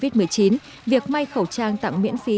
việc may khẩu trang tặng miễn phí cho các khu dân cư bị cách ly